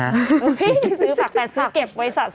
เฮ้ยซื้อฝากแฟนซื้อเก็บไว้สะสมเลย